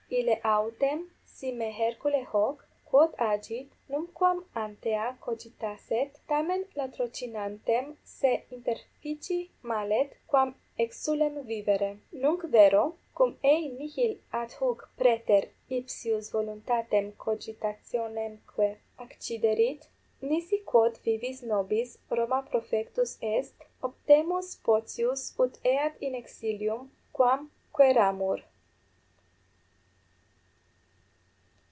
Ille autem, si me hercule hoc, quod agit, numquam antea cogitasset, tamen latrocinantem se interfici mallet quam exulem vivere. Nunc vero, cum ei nihil adhuc praeter ipsius voluntatem cogitationemque acciderit, nisi quod vivis nobis Roma profectus est, optemus potius ut eat in exilium quam queramur.